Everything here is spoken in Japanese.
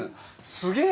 すげえ！